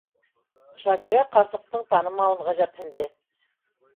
Шакира ҡарсыҡтың танымауын ғәжәпһенде.